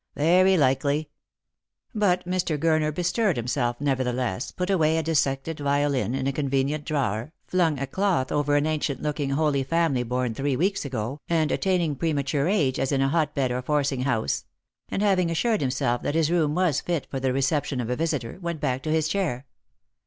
"Very likely." But Mr. Gurner bestirred himself nevertheless, put away a dissected violin in a convenient drawer, flung a cloth over an ancient looking Holy Family born three weeks ago, and attain ing premature age as in a hotbed or forcing house ; and having assured himself that his room was fit for the reception of a visitor, went back to his chair.